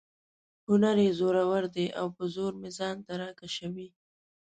هنر یې زورور دی او په زور مې ځان ته را کشوي.